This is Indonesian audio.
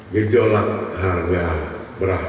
gejolak harga beras